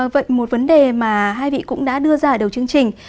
vậy một vấn đề mà hai vị cũng đã đưa ra ở đầu chương trình